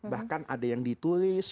bahkan ada yang ditulis